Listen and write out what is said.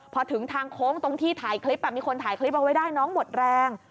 พอถึงทางโค้งตรงที่ถ่ายคลิปมีคนถ่ายคลิปเอาไว้ได้น้องหมดแรง